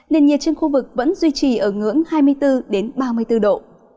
nền nhiệt trên khu vực vẫn duy trì ở ngưỡng hai mươi bốn ba mươi bốn độ